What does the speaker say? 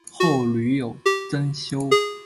后屡有增修。